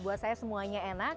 buat saya semuanya enak